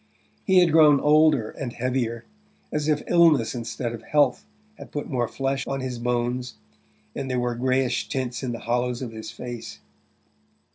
He had grown older and heavier, as if illness instead of health had put more flesh on his bones, and there were greyish tints in the hollows of his face.